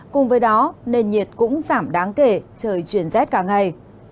cùng với đó nền nhiệt cũng giảm đáng kể trời chuyển rét cả ngày